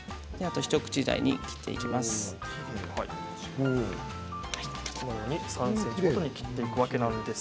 一口大に切っていきます。